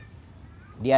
dia juga menipu kamu